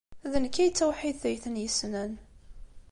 D nekk ay d tawḥidt ay tent-yessnen.